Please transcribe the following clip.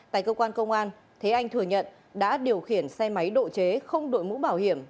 tại cơ quan công an thế anh thừa nhận đã điều khiển xe máy độ chế không đội mũ bảo hiểm